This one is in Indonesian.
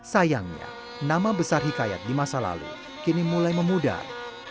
sayangnya nama besar hikayat di masa lalu kini mulai memudar